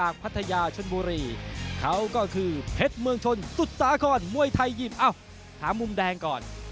กลุ่มแดงก่อน